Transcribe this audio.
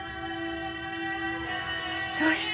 どうして？